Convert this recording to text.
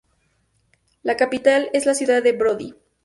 La capital es la ciudad de Brody.